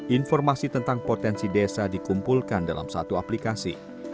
informasi tentang potensi desa dikumpulkan dalam satu aplikasi